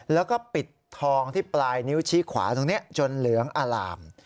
แล้วก็ปิดทองที่ปลายนิ้วชี้ขวาตรงนี้จนเหลืองอล่าม